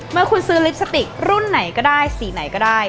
เมื่อคุณซื้อลิปสติกรุ่นไหนก็ได้สีไหนก็ได้